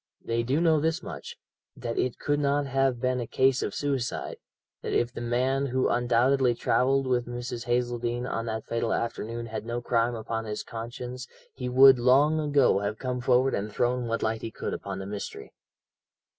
They do know this much, that it could not have been a case of suicide, that if the man who undoubtedly travelled with Mrs. Hazeldene on that fatal afternoon had no crime upon his conscience he would long ago have come forward and thrown what light he could upon the mystery.